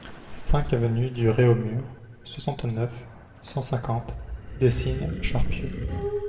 cinq avenue de Réaumur, soixante-neuf, cent cinquante, Décines-Charpieu